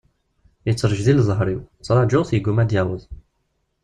Yettrejdil zher-iw, ttrajuɣ-t, yegguma ad d-yaweḍ.